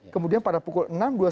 kemudian pada pukul enam dua puluh